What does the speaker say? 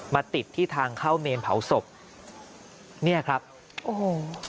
ติดที่ทางเข้าเมนเผาศพเนี่ยครับโอ้โห